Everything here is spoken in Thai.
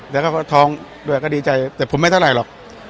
แล้วก็ท้องด้วยก็ดีใจแต่ผมไม่เท่าไหร่หรอก